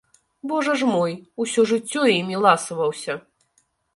Божа ж мой, усё жыццё імі ласаваўся!